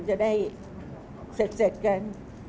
จะได้เสร็จกัน